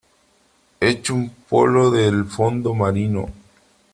echo un polo del fondo marino .